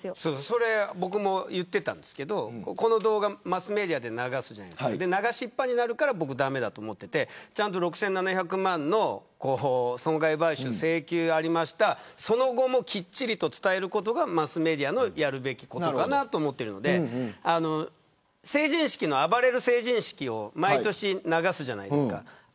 それは僕も言っていたんですけどこの動画をマスメディアで流しっぱになるから駄目だと思っていて６７００万円の損害賠償請求がありましたその後もきっちりと伝えることがマスメディアのやるべきことかなと思っているので暴れる成人式を毎年流すじゃないですか。